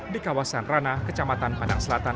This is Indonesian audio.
di kawasan ranah kecamatan padang selatan